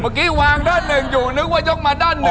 เมื่อกี้วางด้านหนึ่งอยู่นึกว่ายกมาด้านหนึ่ง